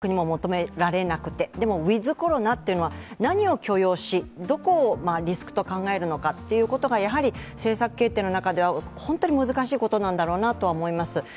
ゼロコロナはどこの国も求められなくて、でもウィズ・コロナというのは何を許容しどこをリスクと考えるのかっていうことが、政策決定の中では本当に難しいことなんだろうなとは思います。